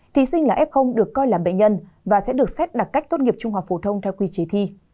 thí sinh là f được coi là bệnh nhân và sẽ được xét đặc cách tốt nghiệp trung học phổ thông theo quy chế thi